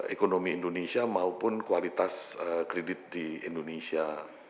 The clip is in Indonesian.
ekonomi indonesia maupun kualitas kredit di indonesia